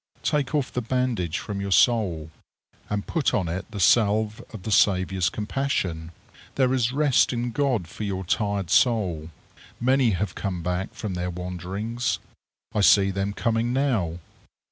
Take off the bandage from your soul, and put on it the salve of the Saviour's compassion. There is rest in God for your tired soul. Many have come back from their wanderings. I see them coming now.